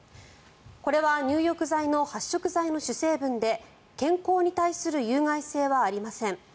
これは入浴剤の発色剤の主成分で健康に対する有害性はありません。